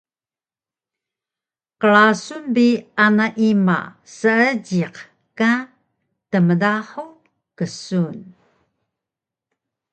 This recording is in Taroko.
Qrasun bi ana ima seejiq ka “tmdahu” ksun